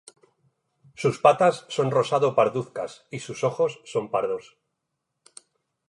Sus patas son rosado parduzcas y sus ojos son pardos.